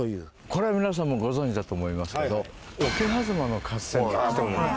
これは皆さんもご存じだと思いますけど桶狭間の合戦って聞いた事ありますよね。